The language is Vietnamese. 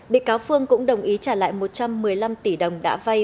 bị cáo phương cũng đồng ý trả lại một trăm một mươi năm tỷ đồng đã vay